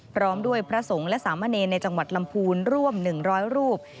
พร้อมด้วยพระสงฆ์และสามเณรในจังหวัดลำพูนร่วม๑๐๐รูป